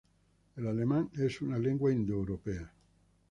El alemán es una lengua indoeuropea.